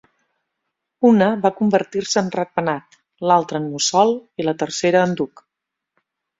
Una va convertir-se en ratpenat, l'altra en mussol i la tercera en duc.